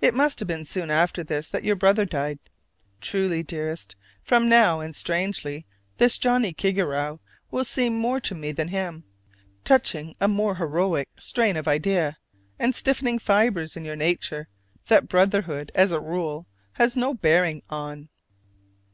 It must have been soon after this that your brother died: truly, dearest, from now, and strangely, this Johnnie Kigarrow will seem more to me than him; touching a more heroic strain of idea, and stiffening fibers in your nature that brotherhood, as a rule, has no bearing on.